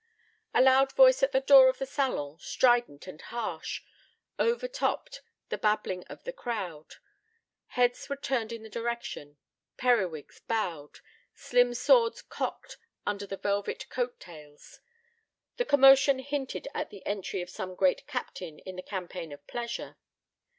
A loud voice at the door of the salon, strident and harsh, overtopped the babbling of the crowd. Heads were turned in the direction; periwigs bowed; slim swords cocked under velvet coat tails. The commotion hinted at the entry of some great captain in the campaign of pleasure.